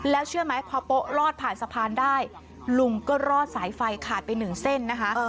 แล้วเชื่อไหมพอโป๊ะรอดผ่านสะพานได้ลุงก็รอดสายไฟขาดไปหนึ่งเส้นนะคะ